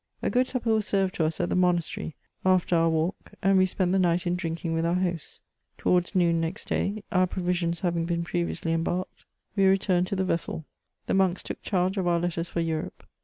A good supper was served to us at the monastery, after our walk, and we spent the night in drinking with our hosts. To wards noon next day, our provisions having been previously em barked, we returned to the vessel. The monks took charge of our letters for Europe.